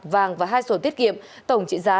vàng và hai sổ tiết kiệm tổng trị giá